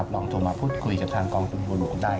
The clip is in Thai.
ลองโทรมาพูดคุยกับทางกองทุนบัวหลวงได้